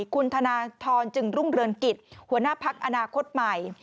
คุณธนทรจึงรุ่งเรืองกิจหัวหน้าพักอนาคตใหม่